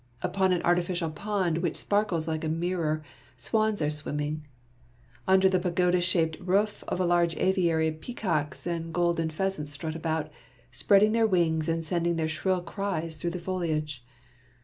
Upon an artificial pond which sparkles like a mirror, swans are swimming, and under the pagoda shaped roof of a large aviary peacocks and golden pheasants strut about, spread ing their wings and sending their shrill cries through the foliage.